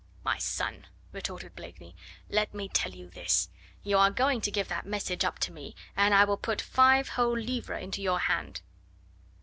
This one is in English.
"My son," retorted Blakeney, "let me tell you this. You are going to give that message up to me and I will put five whole livres into your hand."